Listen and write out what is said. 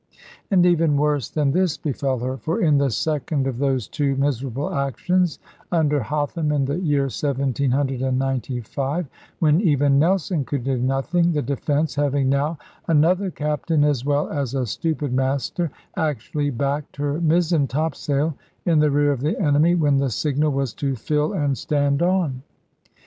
And even worse than this befell her; for in the second of those two miserable actions, under Hotham in the year 1795, when even Nelson could do nothing, the Defence having now another captain as well as a stupid master, actually backed her mizzen topsail, in the rear of the enemy, when the signal was to fill and stand on.